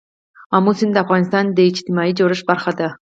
آمو سیند د افغانستان د اجتماعي جوړښت برخه ده.